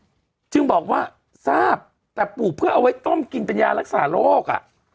จึงบอกว่าทราบแต่ปลูกเพื่อเอาไว้ต้มกินเป็นยารักษาโรคอ่ะ